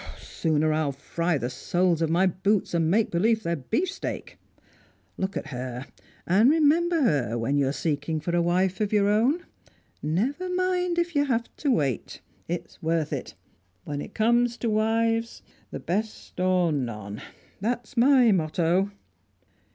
Sooner I'll fry the soles of my boots and make believe they're beefsteak! Look at her, and remember her when you're seeking for a wife of your own. Never mind if you have to wait; it's worth it. When it comes to wives, the best or none! That's my motto."